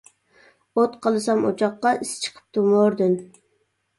ئوت قالىسام ئوچاققا، ئىس چىقىپتۇ مورىدىن.